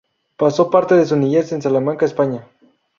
Pasó parte de su niñez en Salamanca, España.